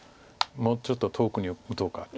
もうちょっと遠くに打とうか。